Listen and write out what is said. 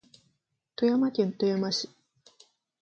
富山県富山市